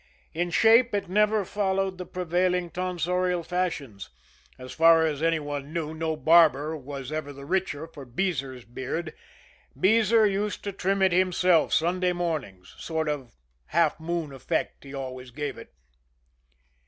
In shape it never followed the prevailing tonsorial fashions as far as any one knew, no barber was ever the richer for Beezer's beard. Beezer used to trim it himself Sunday mornings sort of half moon effect he always gave it.